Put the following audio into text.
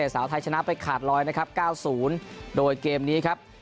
สาวไทยชนะไปขาดรอยนะครับ๙๐โดยเกมนี้ครับ